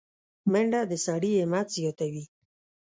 منډه د سړي همت زیاتوي